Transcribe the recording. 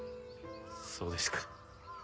そうですか。